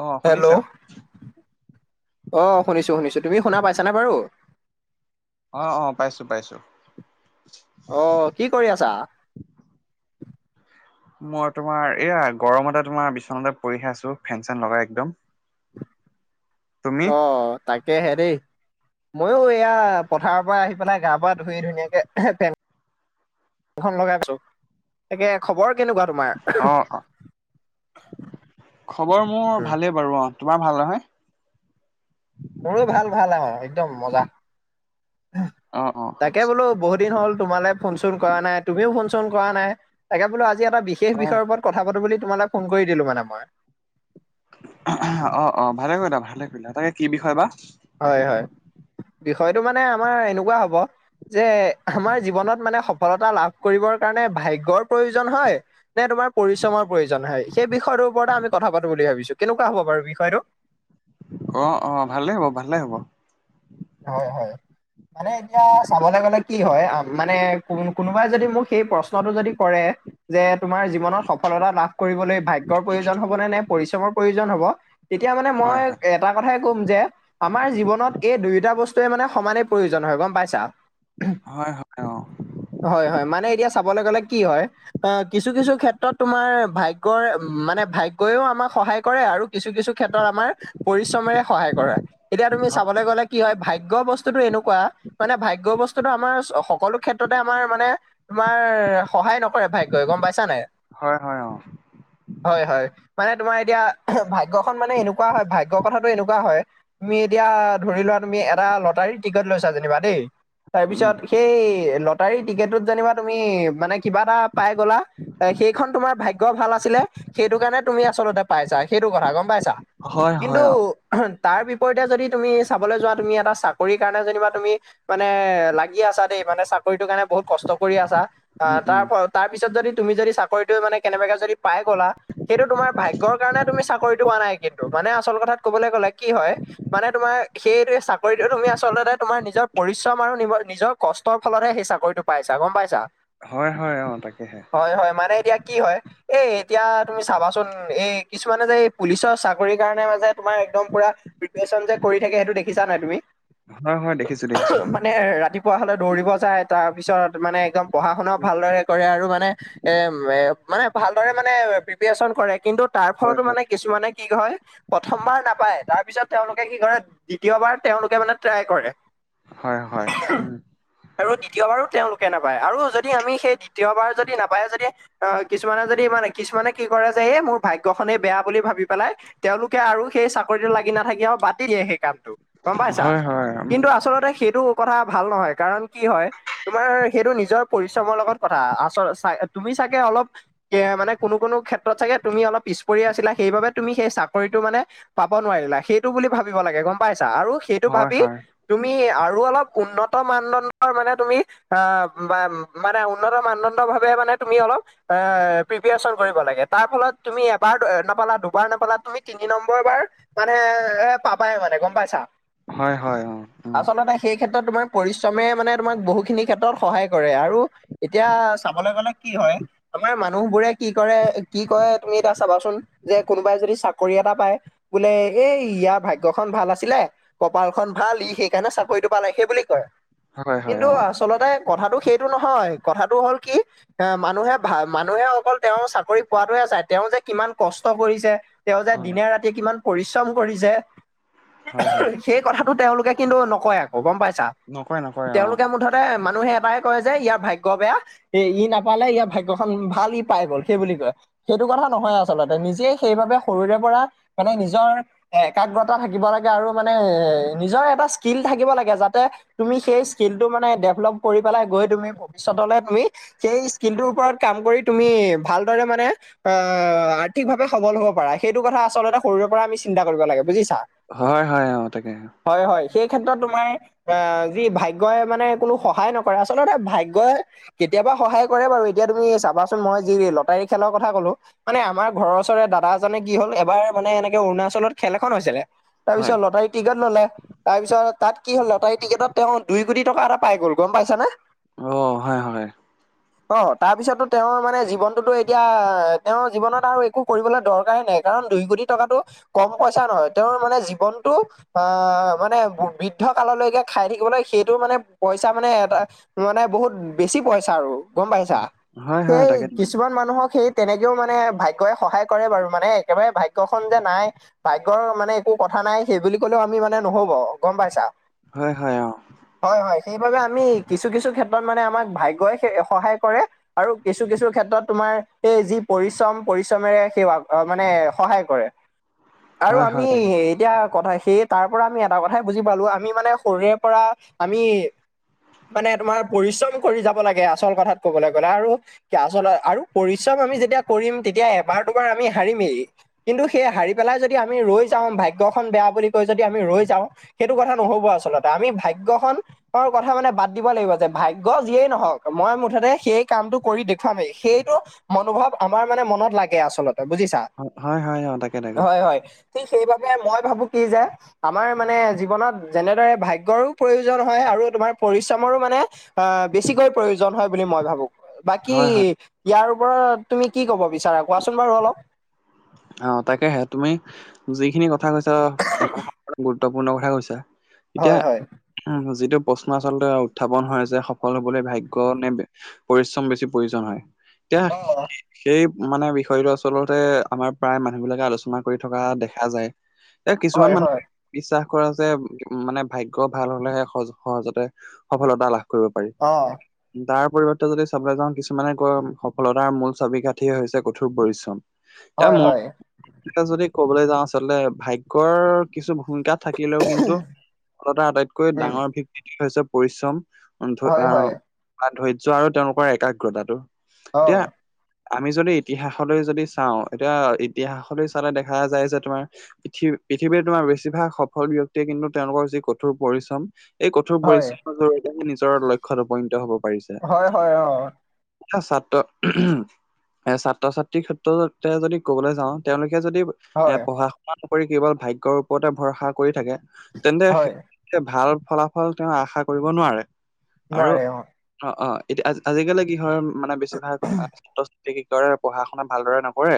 অ hello. শুনিছা অ' শুনিছো শুনিছো, তুমি শুনা পাইছানে বাৰু? অহ- অহ' পাইছো পাইছো। অ' কি কৰি আছা? মই তোমাৰ এইয়া গৰমতে তোমাৰ বিচনাতে পৰিহে আছো ফেন-চেন লগাই একদম। তুমি? তাকেহে দেই। মইয়ো এইয়া পথাৰৰ পৰা আহি পেলাই গা পা ধুই ধুনীয়াকে ফেন - খন লগাই আছো। তাকে খবৰ কেনেকুৱা তোমাৰ? অ অ খবৰ মোৰ ভালেই বাৰু অ' তোমাৰ ভাল নহয়। মোৰো ভাল ভাল আৰু একদম মজা। অ অ তাকে আচ্ছা বোলো বহুত দিন হ'ল তোমালে- ফোন চোন কৰা নাই, তুমিও ফোন চোন কৰা নাই তাকে বোলো আজি এটা বিশেষ হয় বিষয়ৰ ওপৰত- কথা পাতো বুলি তোমালে ফোন কৰি দিলো মানে মই। অহ-অহ' ভালে কৰিলা ভালে কৰিলা, তাকে কি বিষয় বা। হয় হয়, বিষয়টো মানে আমাৰ এনেকুৱা হ'ব- যে আমাৰ জীৱনত মানে সফলতা লাভ কৰিবৰ কাৰণে ভাগ্যয়ৰ প্ৰয়োজন হয়- নে তোমাৰ পৰিশ্ৰমৰ প্ৰয়োজন হয়। সেই বিষয়টোৰ ওপৰত আমি কথা পাতো বুলি ভাবিছো কেনেকুৱা হ'ব বাৰু বিষয়টো। অহ-অহ' ভালেই হ'ব ভালেই হ'ব। হয় হয়, মানে এতিয়া চাবলৈ গ'লে - কি হয় মানে কোনোবাই যদি মোক সেই প্ৰশ্নটো যদি কৰে- যে তোমাৰ জীৱনত সফলতা লাভ কৰিবলৈ ভাগ্যয়ৰ প্ৰয়োজন হ'ব নে, নে পৰিশ্ৰমৰ প্ৰয়োজন হ'ব। তেতিয়া মানে হয় মই হয় এটা কথাই কম যে আমাৰ জীৱনত এই দুই- টা বস্তুয়ে মানে সমানে প্ৰয়োজন হয় গম পাইছা। হয় হয়, অ'। হয় হয়, মানে এতিয়া চাবলৈ গ'লে কি হয়- অ' কিছু কিছু ক্ষেত্ৰত তোমাৰ ভাগ্য মানে ভাগ্যও আমাক সহায় কৰে আৰু কিছু কিছু- ক্ষেত্ৰত আমাৰ পৰিশ্ৰমেৰে সহায় কৰা, এতিয়া তুমি চাবলৈ গলে কি হয় ভাগ্যৰ বস্তু- বস্তুটো এনেকুৱা মানে ভাগ্য বস্তুটো আমাৰ সকলো ক্ষেত্ৰতে আমাৰ মানে- তোমাৰ সহায় নকৰে ভাগ্যয় গম পাইছা নাই। হয় হয়, অ'। হয় হয়, মানে তোমাৰ এতিয়া ভাগ্যখন মানে এনেকুৱা হয় ভাগ্যৰ কথাত- এনেকুৱা হয় তুমি এতিয়া ধৰি লোৱা তুমি এটা লটাৰী টিকট লৈছা যেনিবা দেই- উম তাৰপিছত সেই লটাৰী টিকেটত যেনিবা তুমি মানে কিবা এটা পাই গলা- সেইখন তুমাৰ ভাগ্য ভাল আছিলে সেইটো কাৰণে তুমি আচলতে পাইছা সেইটো কথা গম পাইছা। হয় কিন্তু হয় অ তাৰ বিপৰীতে যদি তুমি চাবলৈ যোৱা- তুমি এটা চাকৰি কাৰণে যেনিবা তুমি মানে লাগি আছা দেই মানে চা- চাকৰিটো কাৰণে বহুত কষ্ট কৰি আছা উম উম তাৰ তাৰ পিছত যদি তুমি যদি চাকৰিটো মানে কেনেবাকে যদি- পাই গ'লা সেইটো তোমাৰ ভাগ্যৰ কাৰণে তুমি চাকৰিটো পোৱা নাই কিন্তু। মানে আচল কথাত কবলৈ গ'লে কি হয় মানে তোমাৰ সেইটো চাকৰিটো তুমি আচলতে তোমাৰ নিজৰ- পৰিশ্ৰম আৰু নিজৰ কষ্টৰ ফলতহে সেই চাকৰিটো পাইছা গম পাইছা। হয় হয়, অঁ' তাকেহে। হয় হয়, মানে এতিয়া কি হয়- এই এতিয়া তুমি চাবাচোন এই কিছুমানে যে এই পুলিচৰ চাকৰি কাৰণে মাজে তোমাৰ একদম পুৰা প্ৰিপেচন যে কৰি থাকে সেইটো দেখিছা নাই তুমি হয় হয় দেখিছো দেখিছো মানে ৰাতি পুৱা হ'লে দৌৰিব যায় তাৰপিছত মানে একদম পঢ়া শুনাও ভালদৰে কৰে আৰু মানে এ মে মানে ভালদৰে মানে প্ৰিপেচন কৰে কিন্তু তাৰ হয় ফলতো হয় মানে কিছুমানে কি হয় প্ৰথমবাৰ নাপায় তাৰ পিছত তেওঁলোকে কি কৰে দ্বিতীয়বাৰ তেওঁলোকে মানে ট্ৰাই কৰে হয় হয় উম আৰু দ্বিতীয়বাৰো তেওঁলোকে নাপায় আৰু যদি আমি সেই দ্বিতীয়বাৰ যদি নাপায় যদি অ কিছুমানে যদি মানে কিছুমানে কি কৰে যে এই মোৰ ভাগ্যখনেই বেয়া বুলি ভাবি পেলাই তেওঁলোকে আৰু সেই চাকৰিটো লাগি নাথাকি আও আৰু বাদ দি দিয়ে সেই কামটো গম পাইছা হয় হয় উম কিন্তু আচলতে সেইটো কথা ভাল নহয় কাৰণ কি হয় তোমাৰ সেইটো নিজৰ পৰিশ্ৰমৰ লগত কথা আচল তুমি চাগে অলপ কে মানে কোনো কোনো ক্ষেত্ৰত চাগে তুমি অলপ পিছ পৰি আছিলা সেইবাবে তুমি সেই চাকৰিটো মানে পাব নোৱাৰিলা সেইটো বুলি ভাবিব লাগে গম পাইছা আৰু সেইটো হয় ভাবি হয় তুমি আৰু অলপ উন্নত মানদণ্ডৰ মানে তুমি আহ বা মানে উন্নত মানদণ্ড ভাৱে মানে তুমি অলপ এ প্ৰিপেয়চন কৰিব লাগে তাৰ ফলত তুমি এবাৰ নাপালা দুবাৰ নপালা তুমি তিনি নম্বৰবাৰ মানে এ পাবাই মানে গম পাইছা হয় হয় অ উ আচলতে সেই ক্ষেত্ৰত তোমাৰ পৰিশ্ৰমে মানে তোমাক বহুখিনি ক্ষেত্ৰত সহায় কৰে আৰু এতিয়া চাবলৈ গলে কি হয় আমাৰ মানুহবোৰে কি কৰে কি কয় তুমি এতিয়া চাবাচোন যে কোনোবাই যদি চাকৰি এটা পায় বোলে এই ইয়াৰ ভাগ্যখন ভাল আ ছিলে কপালখন ভাল ই সেইকাৰণে চাকৰিটো পালে সেই বুলি কয় হয় হয় কিন্তু অ আ চলতে কথাটো সেইটো নহয় কথাটো হ'ল কি এ মানুহে ভা মানুহে অকল তেওঁ চাকৰি পোৱাটোহে যায় তেওঁ যে কিমান কষ্ট কৰিছে তেওঁ যে হয় দিনে ৰাতিয়ে কিমান পৰিশ্ৰম কৰিছে হয় হয় সেই কথাটো তেওঁলোকে কিন্তু নকয় আকৌ গম পাইছা নকয় নকয় অ তেওঁলোকে মুঠ তে মানুহে এটাই কয় যে ইয়াৰ ভাগ্য বেয়া এ ই নাপালে ইয়াৰ ভাগ্যখন ভাল ই পাই গল সেই বুলি কয় সেইটো কথা নহয় আচলতে নিজে সেইবাবে সৰুৰে পৰা মানে নিজৰ এ একাগ্ৰতা থাকিব লা গে আৰু মানে এ নিজৰ এটা স্কিল থাকিব লাগে যাতে তুমি সেই স্কিলটো মানে ডেভলপ কৰি পেলাই গৈ তুমি ভৱিষ্যতলে তুমি সেই স্কিমটোৰ ওপৰত কাম কৰি তুমি ভালদৰে মানে আহ আৰ্থিকভাৱে সবল হব পাৰে সেইটো কথা আচলতে সৰুৰে পৰা আমি চিন্তা কৰিব লাগে বুজিছা হয় হয় অহ তাকে অহ হয় হয় সেই ক্ষেত্ৰত তোমাৰ অহ যি ভাগ্যই মানে কোনো সহায় নকৰে আচলতে ভাগ্যই কেতিয়াবা সহায় কৰে বাৰু এতিয়া তুমি চাবাচোন মই যি লটাৰী খেলৰ কথা কলো মানে আমাৰ ঘৰৰ ওচৰৰে দাদাজনে কি হ'ল এবাৰ মানে এনেকে অৰুণাচলত খেল এখন হৈছিলে হয় তাৰপিছত লটাৰী টিকেট ল'লে তাৰপিছত তাত কি হ'ল লটাৰী টিকেটত তেওঁ দুই কোটি টকা এটা পাই গ'ল গম পাইছানে অ হয় হয় [unintelligible] অ তাৰ পিছতো তেওঁৰ মানে জীৱনটোতো এতিয়া তেওঁৰ জীৱনত আৰু একো কৰিবলৈ দৰকাৰে নাই কাৰণ দুই কোটি টকাটো কম পইচা নহয় তেওঁৰ মানে জীৱনটো আহ মানে বৃদ্ধ কাললৈকে খাই থাকিবলৈ সেইটো মানে পইচা মানে এটা মানে বহুত বেছি পইচা আৰু গম পাইছা হয় হয় সেই তাকে কিছুমান মানুহক সেই তেনেকেও মানে ভাগ্যই‌ সহায় কৰে বাৰু মানে একেবাৰে ভাগ্য খন যে নাই ভাগ্যৰ মানে একো কথা নাই সেই বুলি কলেও আমি মানে নহব গম পাইছা। হয় হয় অ হয় হয় সেইবাবে আমি কিছু কিছু ক্ষেত্ৰত মানে আমাক ভাগ্যই সহায় কৰে। আৰু কিছু কিছু ক্ষেত্ৰত তোমাৰ এই যি পৰিশ্ৰম পৰিশ্ৰমেৰে সেইয়া মানে সহায় কৰে। আৰু হয় হয় আমি তাকে এতিয়া কথা সেই তাৰ পৰা আমি এটা কথাই বুজি পালো আমি মানে সৰুৰে পৰা আমি মানে তোমাৰ পৰিশ্ৰম কৰি যাব লাগে আচল কথাত কবলৈ গ'লে আৰু আচল আৰু পৰিশ্ৰম আমি যেতিয়া কৰিম তেতিয়া এবাৰ দুবাৰ আমি হাৰিমেই কিন্তু সেই হাৰি পেলাই যদি আমি ৰৈ যাওঁ ভাগ্যখন বেয়া বুলি কৈ যদি আমি ৰৈ যাওঁ - সেইটো কথা নহব আচলতে আমি ভাগ্যখন তেওঁ কথা মানে বাদ দিব লাগিব যে ভাগ্য যিয়েই নহওক মই মুঠতে সেই কামটো কৰি দেখুৱামেই সেইটো মনোভাৱ আমাৰ মানে মনত লাগে আচলতে বুজিছা হয় হয় অ তাকে তাকে - হয় হয় ঠিক সেইবাবে মই ভাবো কি যে আমাৰ মানে জীৱনত যেনেদৰে ভাগ্যৰো প্ৰয়োজন হয় আৰু তোমাৰ পৰিশ্ৰমৰো মানে অ বেছিকৈ প্ৰয়োজন হয় বুলি মই ভাবোঁ। বাকী হয় হয় ইয়াৰ ওপৰত তুমি কি কব বিচাৰা কোৱাচোন বাৰু অলপ? অ তাকেহে তুমি যিখিনি কথা কৈছা - গুৰুত্বপূৰ্ণ কথা কৈছা এতিয়া হয় হয় উ যিটো প্ৰশ্ন আচলতে উত্থাপন হয় যে সফল হবলে ভাগ্য নে পৰিশ্ৰম বেছি প্ৰয়োজন হয় এতিয়া অ সেই মানে বিষয়টো আচলতে আমাৰ প্ৰায় মানুহ বিলাকে আলোচনা কৰি থকা দেখা যায় এ কিছুমান হয় হয় মানুহে বিশ্বাস কৰা যে মানে ভাগ্য ভাল হলেহে সহজ সহজতে সফলতা লাভ কৰিব অ পাৰি তাৰ পৰিবৰ্তে যদি চাবলৈ যাওঁ কিছুমানে কৈ সফলতাৰ মূল ছবি কাঠিয়ে হৈছে কঠোৰ পৰিশ্ৰম। এতিয়া হয় মই হয় যদি ক'বলৈ যাওঁ আচলতে ভাগ্যৰ কিছু ভূমিকাত থাকিলেও কিন্তু ফলত আটাইতকৈ উম ডাঙৰ ভিত্তি হৈছে পৰিশ্ৰম হয় হয় আহ ধৈৰ্য্য আৰু তেওঁলোকৰ একাগ্ৰতাটো অ এতিয়া - আমি যদি ইতিহাসলৈ যদি চাওঁ এতিয়া ইতিহাসলৈ চালে দেখা যায় যে তোমাৰ পৃথিৱী পৃথিৱীৰ তোমাৰ বেছিভাগ সফল ব্যক্তিয়ে কিন্তু তেওঁলোকৰ যি কঠোৰ পৰিশ্ৰম এই কঠোৰ হয় পৰিশ্ৰমৰ জৰিয়তে নিজৰ লক্ষ্যত উপনীত হব পাৰিছে। হয় হয় অ ছাত্ৰ এ ছাত্ৰ ছাত্ৰীৰ ক্ষেত্ৰত যদি ক'বলৈ যাওঁ তেওঁলোকে যদি এ হয় পঢ়া শ কৰি কেৱল ভাগ্যৰ ওপতে ভৰসা কৰি থাকে তেন্তে হয় ভাল ফলাফল তেওঁ আশা কৰিব নোৱাৰে আৰু নোৱাৰে অ অ অ এতিয়া আজিকালি কিহয় মানে বেছিভাগ ছাত্ৰ ছাত্ৰী কি কৰেৰে পঢ়া শুনা ভালদৰে নকৰে। কৰে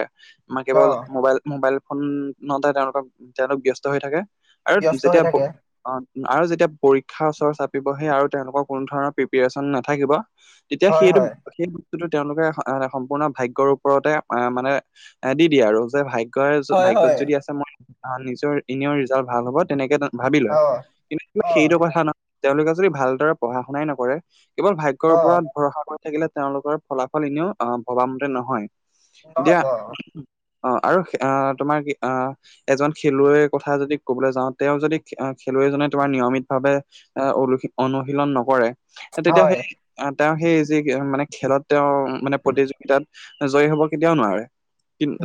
ম অ কেৱল মোবাইল মোবাইল ফোনতে তেওঁলোকক তেওঁলোক ব্যস্ত হৈ থাকে। আৰু ব্যস্ত হৈ যেতিয়া থাকে অ আৰু যেতিয়া পৰীক্ষাৰ ওচৰ চাপিবহে আৰু তেওঁলোকৰ কোনো ধৰণৰ প্ৰিপচন নাথাকিব তেতিয়া হয় সেইটো হয় সেই বস্তুটো তেওঁলোকে সম্পূৰ্ণ ভাগ্যৰ ওপৰতে মান মানে এ দি দিয়ে আৰু যে ভাগ্যয়ই হয় হয় ভাগ্যত যদি আছে মই অ নিজৰ এনে ৰিজাল্ট ভাল হ'ব তেনেকে ভাবি লয় অ কিন্তু, অ সেইটো কথা নহয় তেওঁলোকে যদি ভালদৰে পঢ়া শুনাই নকৰে কেৱল ভাগ্যয়ৰ অ ওপৰত ভৰসা কৰি থাকিলে তেওঁলোকৰ ফলাফল এনেও অ ভবামতে নহয়। দিয়া নহব অঁ আৰু আহ তোমাৰ কি আহ এজন খেলুৱৈৰ কথা যদি কবলৈ যাওঁ তেওঁ যদি খেলুৱৈজনে তোমাৰ নিয়মিত ভাবে এ অনু অনুশীলন নকৰে তেতিয়া হয় সেই আহ তেওঁ সেই যি মানে খেলত তেওঁ মানে প্ৰতিযোগিতাত জয়ী হব কেতিয়াও নোৱাৰে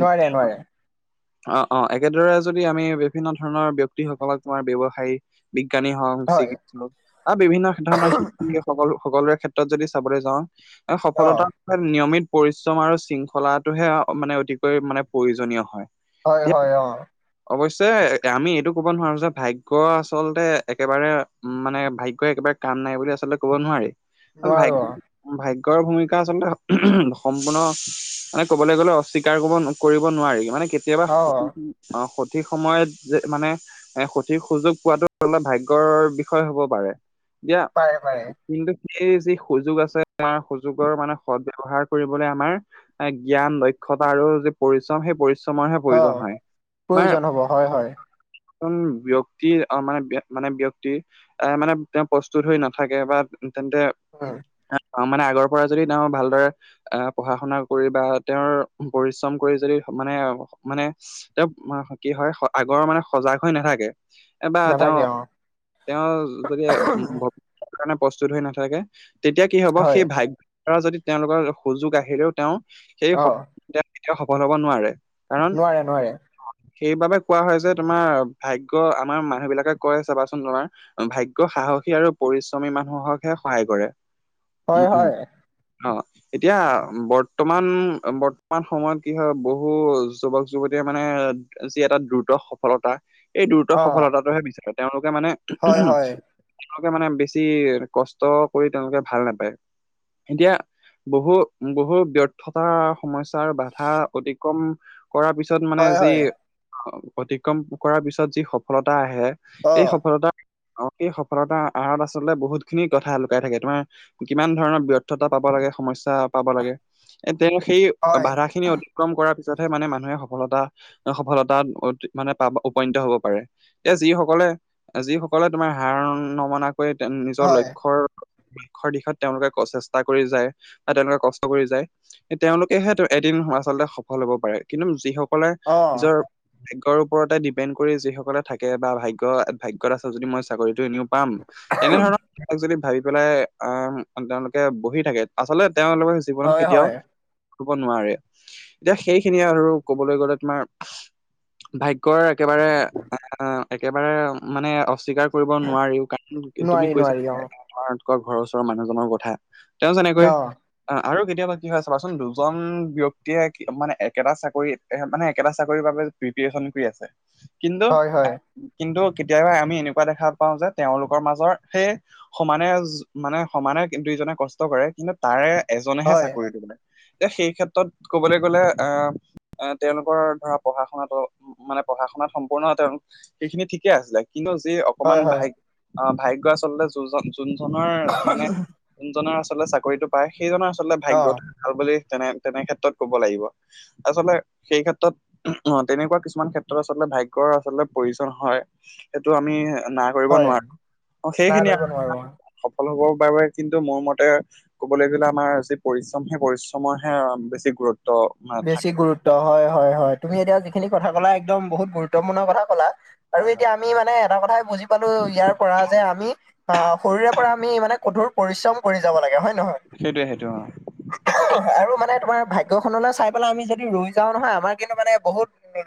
নোৱাৰে নোৱাৰে অঁ অঁ একেদৰে যদি আমি বিভিন্ন ধৰণৰ ব্যয়ক্তিসকলক তোমাৰ ব্যয়ৱসায়ী বিজ্ঞানী হওক হয় চিকৎস হওক আৰু বিভিন্ন ধৰণৰ শিক্ষক সকল সকলোৰে ক্ষেত্ৰত যদি চাবলৈ যাওঁ অ সফলতাৰ নিয়মিত পৰিশ্ৰম আৰু শৃংখলাত টোহে আও মানে অতিকৈ মানে প্ৰয়োজনীয় হয়। হয় এতিয়া হয় অঁ। অৱশ্যে আমি এইটো কব নোৱাৰো যে ভাগ্য আচলতে একেবাৰে উম মানে ভাগ্যই একেবাৰে কাম নাই বুলি আচলতে ক'ব নোৱাৰি। নোৱাৰো ভাগ্য ভাগ্যৰ ভূমিকা আচলতে সম্পূৰ্ণ মানে ক'বলৈ গ'লে অস্বীকাৰ কৰিব নোৱাৰি মানে কেতিয়াবা অ অঁ সঠিক সময়ত যে মানে এ সঠিক সুযোগ পোৱাতো অলপ ভাগ্যৰ বিষয় হ'ব পাৰে। দিয়া অ পাৰে পাৰে কিন্তু সেই যি সুযোগ আছে তাৰ সুযোগৰ মানে সদ ব্যৱহাৰ কৰিবলৈ আমাৰ এ জ্ঞান দক্ষতা আৰু যি পৰিশ্ৰম সেই পৰি শ্ৰমৰহে অ প্ৰয়োজন হয় প্ৰয়োজন হব হয় হয় এজন ব্যয়ক্তিৰ অ মানে মানে ব্যয়ক্তিৰ এ মানে তেওঁ প্ৰস্তুত হৈ নাথাকে বা তেন্তে হয় তাত মানে আগৰ পৰা যদি তেওঁ ভাল দৰে আহ পঢ়া শুনা কৰি বা তেওঁৰ পৰিশ্ৰম কৰি যদি মানে মানে তেওঁ কি হয় আগৰ মানে সজাগ হৈ নাথাকে। এ বা তেওঁ, নাথাকে অ তেওঁ যদি প্ৰস্তুত হৈ নাথাকে, তেতিয়া কি হব হয় সেই ভাগ্য যদি তেওঁলোকৰ সুযোগ আহিলেও তেওঁ সেই স অ তেও কেতিয়াও সফল হব নোৱাৰে। কাৰণ নোৱাৰে নোৱাৰে। সেইবাবে কোৱা হয় যে, তোমাৰ ভাগ্য আমাৰ মানুহ বিলাকে কয় চাবাচোন তোমাৰ ভাগ্য সাহসী আৰু পৰিশ্ৰমী মানুহকহে সহায় কৰে। উম হয় উম হয় অ' অ' এতিয়া বৰ্তমান বৰ্তমান সময়ত কি হয় বহু যুৱক যুৱতীয়ে মানে যি এটা দ্ৰুত সফলতা এই দ্ৰুত অ সফলতাটোহে বিচাৰে তেওঁলোকে মানে হয় হয় তেওঁলোকে মানে বেছি কষ্ট কৰি তেওঁলোকে ভাল নাপায়। এতিয়া বহু বহু ব্যৰ্থ সমস্যাৰ বাধা অতিক্ৰম কৰাৰ পিছত মানে হয় যি হয় অতিক্ৰম কৰাৰ পিছত যি সফলতা আহে অ এই সফলতা অতি সফলতা আঁৰত আচলতে বহুত খিনি কথা লুকাই থাকে তোমাৰ কিমান ধৰণৰ ব্যৰ্থতা পাব লাগে সমস্যা পাব লাগে। তেওঁ সেই হয় বাধা খিনি অতিক্ৰম কৰাৰ পিছতহে মানে মানুহে সফলতা সফলতা মানে পাব উপনীত হ'ব পাৰে। এতিয়া যিসকলে যিসকলে তোমাৰ হাৰ নমনা কৰি নিজৰ হয় লক্ষ্যৰ লক্ষ্যৰ দিশত তেওঁলোকে চেষ্টা কৰি যায়, বা তেওঁলোকে কষ্ট কৰি যায়। তেওঁলোকেহে এদিন আচলতে সফল হব পাৰে। কিন্তু যিসকলে অ নিজৰ ভাগ্যৰ ওপৰতে ডিপেণ্ড কৰি যি সকলে থাকে বা ভাগ্য ভাগ্যত আছে, যদি মই চাকৰিটো এনেও পাম, তেনেধৰণৰ যদি ভাবি পেলাই আঁহ তেওঁলোকে বহি থাকে, আচলতে তেওঁলোকৰ জীৱনত হয় কেতিয়াও হয় কৰিব নোৱাৰে। এতিয়া সেইখিনিয়ে আৰু কবলৈ গলে তোমাৰ ভা গ্য একেবাৰে এ একেবাৰে মানে অস্বীকাৰ কৰিব নোৱাৰিও কাৰণ তুমি নোৱাৰি কৈছা নোৱাৰি অ তোমাৰলোকৰ ঘৰৰ ওচৰৰ মানুহজনৰ কথা। তেওঁ যেনেকৈ অ আঁহ আৰু কেতিয়াবা কি হয় চাবাচোন, দুজন ব্যক্তিয়ে মানে একেটা চাকৰি এ মানে একেটা চাকৰিৰ বাবে প্ৰীপ্ৰেচন কৰি আছে। কিন্তু হয় হয় কিন্তু কেতিয়াবা আমি এনেকুৱা দেখা পাওঁ যে, তেওঁলোকৰ মাজৰ সেই সমানে মানে সমানে দুইজনে কষ্ট কৰে, কিন্তু তাৰে এজনেহে হয় চাক ৰি কৰিবলে, সেই ক্ষেত্ৰত ক'বলৈ গ'লে আঁ এ তেওঁলোকৰ ধৰা পঢ়া শুনাটো মানে পঢ়া শুনাত সম্পূৰ্ণ তেওঁ সেইখিনি ঠিকে আছিলে, কিন্তু যি অকমান হয় হয় ভাগ, অঁ ভাগ্যই আচলতে যোনজন যোনজনৰ মানে যোনজনৰ আচলতে চাকৰিতটো পায়, সেইজনৰ আচলতে অ ভাগ্যটো ভাল বুলি তেনে তেনে ক্ষেত্ৰত কব লাগিব। আচলতে সেই ক্ষেত্ৰত। অঁ, তেনেকুৱা কিছুমান ক্ষেত্ৰত আচলতে ভাগ্যৰ আচলতে প্ৰয়োজন হয়। সেইটো আমি ন নাই কৰিব হয় নোৱাৰো, অ না সেইখিনি কৰিব আৰু নোৱাৰো সফল হব বাবে কিন্তু মোৰ মতে ক'বলৈ গ'লে আমাৰ যি পৰিশ্ৰম হে পৰিশ্ৰমৰ হে বেছি গুৰুত্ব। আহ, বেছি থাকে গুৰুত্ব হয় হয় হয়, তুমি এতিয়া যিখিনি কথা কলা একদম বহুত গুৰুত্বপূৰ্ণ কথা কলা। হয় আৰু হয় এতিয়া আমি মানে এটা কথাই বুজি পালো, ইয়াৰ পৰা যে আমি অঁ, শৰীৰে পৰা আমি মানে কঠোৰ পৰিশ্ৰম কৰি যাব লাগে হয় নহয়? সেইটোৱে সেইটোৱে অঁ আৰু মানে তোমাৰ ভাগ্য খলৈ চাই পেলাই আমি যদি ৰৈ যাওঁ নহয়, আমাৰ কিন্তু মানে বহুত